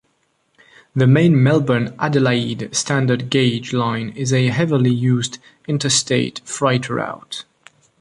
The main Melbourne-Adelaide standard-gauge line is a heavily used interstate freight route.